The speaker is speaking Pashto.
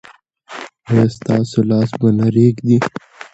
ایا ستاسو لاس به نه ریږدي؟